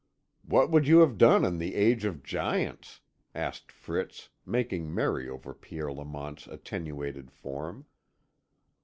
"What would you have done in the age of giants?" asked Fritz, making merry over Pierre Lamont's attenuated form.